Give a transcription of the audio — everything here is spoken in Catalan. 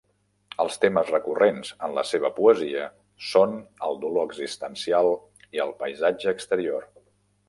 Els temes recurrents en la seva poesia són el dolor existencial i el paisatge exterior.